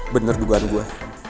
bener dugaan gue